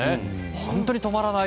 本当に止まらない。